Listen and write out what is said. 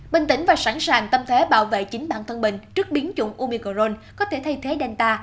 bình tĩnh và sẵn sàng tâm thế bảo vệ chính bản thân mình trước biến chủng umicrone có thể thay thế delta